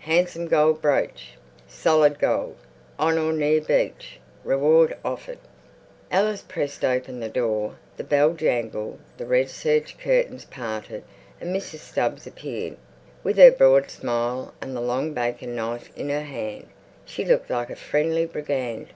HANSOME GOLE BROOCH SOLID GOLD ON OR NEAR BEACH REWARD OFFERED Alice pressed open the door. The bell jangled, the red serge curtains parted, and Mrs. Stubbs appeared. With her broad smile and the long bacon knife in her hand, she looked like a friendly brigand.